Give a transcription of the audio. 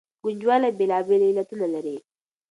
ګنجوالي بېلابېل علتونه لري.